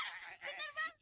aah bener bang